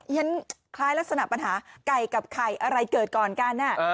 ฉันคล้ายลักษณะปัญหาไก่กับไข่อะไรเกิดก่อนกัน